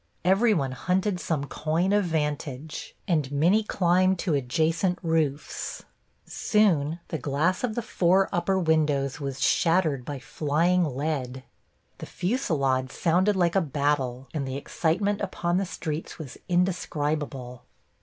Every one hunted some coign of vantage, and many climbed to adjacent roofs. Soon the glass of the four upper windows was shattered by flying lead. The fusillade sounded like a battle, and the excitement upon the streets was indescribable.